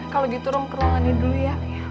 kalau gitu rum ke ruangannya dulu ya